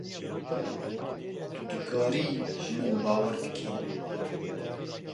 Tu dikarî ji min bawer bikî.